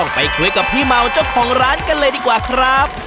ไปคุยกับพี่เมาเจ้าของร้านกันเลยดีกว่าครับ